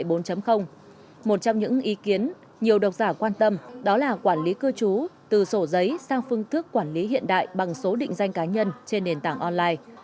một trong những ý kiến nhiều độc giả quan tâm đó là quản lý cư trú từ sổ giấy sang phương thức quản lý hiện đại bằng số định danh cá nhân trên nền tảng online